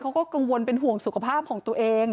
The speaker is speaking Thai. เขาก็กังวลเป็นห่วงสุขภาพของตัวเอง